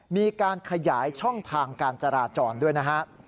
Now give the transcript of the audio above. มีการขยายช่องทางการจราจรด้วยนะฮะ